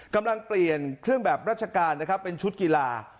กำลังเปลี่ยนเครื่องแบบราชการนะครับเป็นชุดกีฬา